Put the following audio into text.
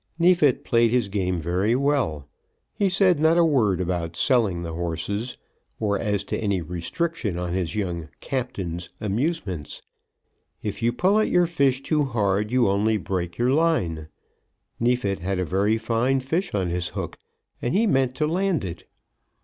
Neefit played his game very well. He said not a word about selling the horses, or as to any restriction on his young "Captain's" amusements. If you pull at your fish too hard you only break your line. Neefit had a very fine fish on his hook, and he meant to land it.